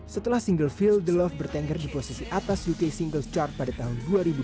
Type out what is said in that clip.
setelah single feel the love bertengger di posisi atas ut single chart pada tahun dua ribu dua puluh